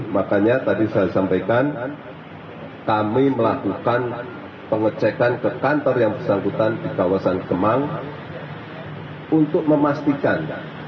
makanya tadi saya sampaikan kami melakukan pengecekan ke kantor yang bersangkutan di kawasan kemang untuk memastikan